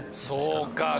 そうか。